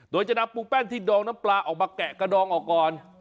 โดยจะนำปูแป้งที่ดองน้ำปลาออกมาแกะกระดองออกก่อน